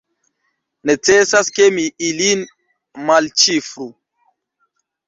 Necesas, ke mi ilin malĉifru.